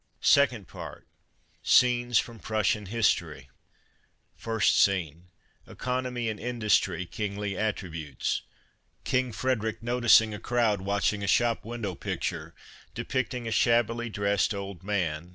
second part. Scenes from Prussian History. 1st Scene. — Economy and Industry kingly attributes: King Frederic noticing a crowd watching a shop window picture, depicting a shabbily dressed old man.